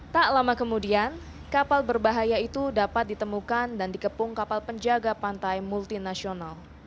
tak lama kemudian kapal berbahaya itu dapat ditemukan dan dikepung kapal penjaga pantai multinasional